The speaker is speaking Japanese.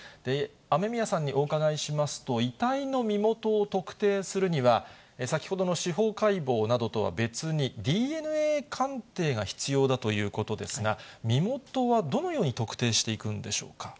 雨宮さんにお伺いしますと、遺体の身元を特定するには、先ほどの司法解剖などとは別に、ＤＮＡ鑑定が必要だということですが、身元はどのように特定していくんでしょうか。